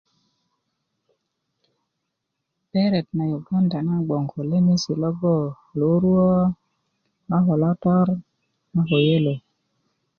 beret na yuganda na gboŋ ko lemesi loŋ loruwö a ko lotor a ko yelo